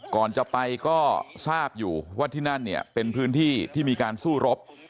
ก่อนจะไปก็ทราบอยู่ว่าที่นั่นเนี่ยเป็นพื้นที่ที่มีการสู้รบ